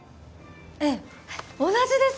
ええ同じです